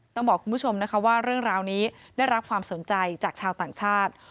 ต้องบอกคุณผู้ชมนะคะว่าเรื่องราวนี้ได้รับความสนใจจากชาวต่างชาติ